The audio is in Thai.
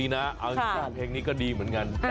เอาเพลงนี้ก็ดีเหมือนกัน